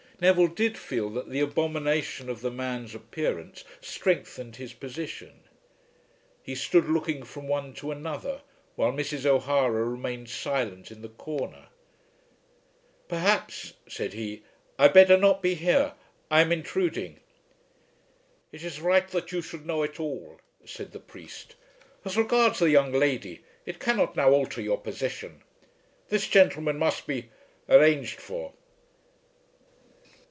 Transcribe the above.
Neville did feel that the abomination of the man's appearance strengthened his position. He stood looking from one to another, while Mrs. O'Hara remained silent in the corner. "Perhaps," said he, "I had better not be here. I am intruding." "It is right that you should know it all," said the priest. "As regards the young lady it cannot now alter your position. This gentleman must be arranged for."